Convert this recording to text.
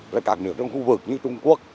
và các nước trong khu vực như trung quốc